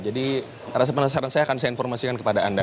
jadi rasa penasaran saya akan saya informasikan kepada anda